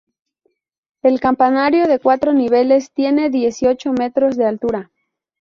El campanario de cuatro niveles tiene dieciocho metros de altura.